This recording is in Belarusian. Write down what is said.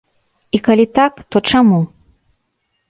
І калі так, то чаму?